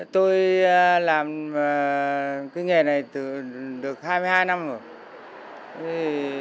tôi làm cái nghề này từ được hai mươi hai năm rồi